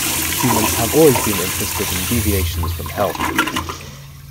Humans have always been interested in deviations from health.